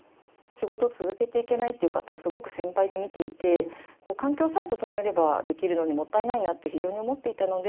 仕事を続けていけないという方をすごく先輩で見ていて環境さえ整えればできるのにもったいないなって非常に思っていたので。